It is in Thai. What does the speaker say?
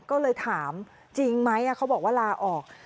ก็เลยถามจริงไหมเขาบอกว่าลาออก